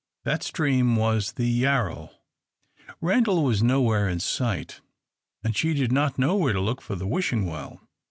That stream was the Yarrow. Randal was nowhere in sight, and she did not know where to look for the Wishing Well.